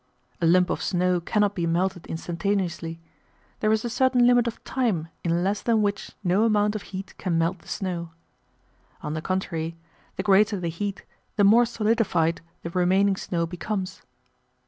A lump of snow cannot be melted instantaneously. There is a certain limit of time in less than which no amount of heat can melt the snow. On the contrary the greater the heat the more solidified the remaining snow becomes.